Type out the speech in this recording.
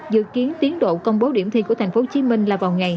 dự kiến tiến độ công bố điểm thi của thành phố hồ chí minh là vào ngày hai mươi bảy